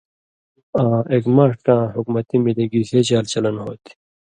آں ایک ماݜ کاں حُکمتی مِلیۡ گِشے چال چلن ہو تھی،